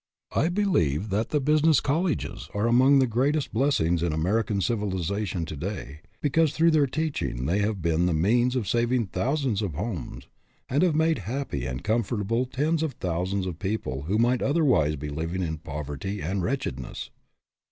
I believe that the business colleges are among the greatest blessings in American civilization to day, because through their teach ing they have been the means of saving thou sands of homes, and have made happy and comfortable tens of thousands of people who might otherwise be living in poverty and wretchedness.